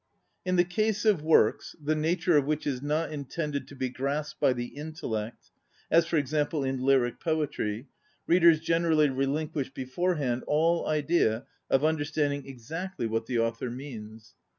In the case of works, the nature of which is not intended to be grasped by the intellect, as, for example, in lyric poetry, readers generally re linquish beforehand all idea of un derstanding exactly what the author means.